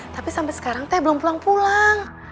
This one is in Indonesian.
tapi sampai sekarang teh belum pulang pulang